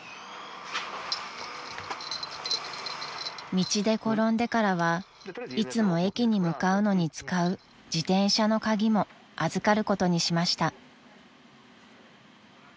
［道で転んでからはいつも駅に向かうのに使う自転車の鍵も預かることにしました］